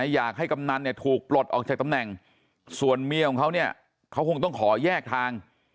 อยากให้กำนันถูกปลดออกจากตำแหน่งส่วนเมียของเขาคงต้องขอแยกทาง